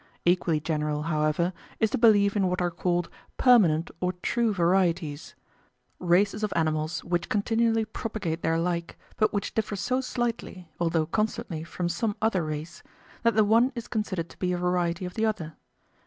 Equally general, however, is the belief in what are called "permanent or true varieties," races of animals which continually propagate their like, but which differ so slightly (although constantly) from some other race, that the one is considered to be a variety of the other.